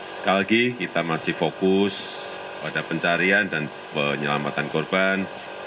sekali lagi kita masih fokus pada pencarian dan penyelamatan korban